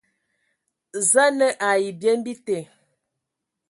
Za a nǝ ai byem bite,